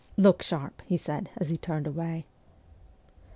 ' Look sharp !' he said as he turned away.